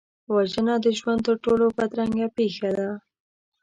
وژنه د ژوند تر ټولو بدرنګه پېښه ده